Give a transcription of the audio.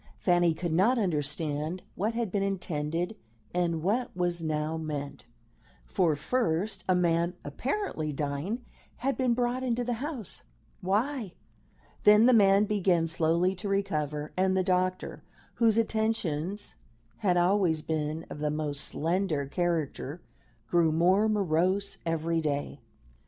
Fanny could not understand what had been intended and what was now meant. For, first, a man, apparently dying, had been brought into the house why? Then the man began slowly to recover, and the doctor, whose attentions had always been of the most slender character, grew more morose every day.